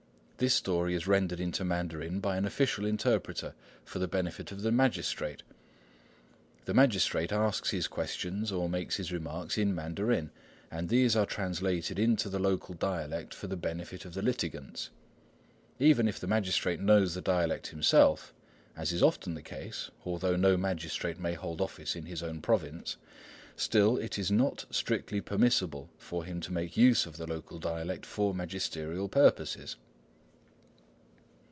This story is rendered into Mandarin by an official interpreter for the benefit of the magistrate; the magistrate asks his questions or makes his remarks in Mandarin, and these are translated into the local dialect for the benefit of the litigants. Even if the magistrate knows the dialect himself,—as is often the case, although no magistrate may hold office in his own province,—still it is not strictly permissible for him to make use of the local dialect for magisterial purposes.